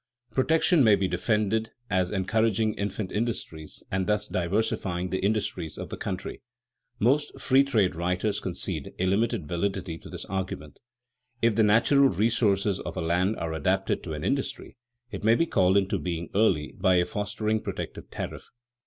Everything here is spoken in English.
Protection may be defended as encouraging infant industries and thus diversifying the industries of the country. Most free trade writers concede a limited validity to this argument. If the natural resources of a land are adapted to an industry, it may be called into being early by a fostering protective tariff.